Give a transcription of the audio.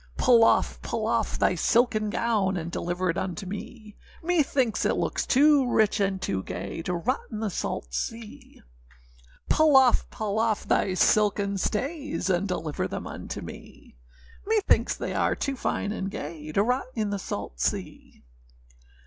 âPull off, pull off thy silken gown, And deliver it unto me, Methinks it looks too rich and too gay To rot in the salt sea. âPull off, pull of thy silken stays, And deliver them unto me; Methinks they are too fine and gay To rot in the salt sea.